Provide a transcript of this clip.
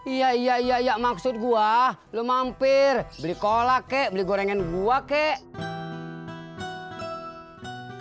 iya iya maksud gue lo mampir beli cola kek beli gorengan gue kek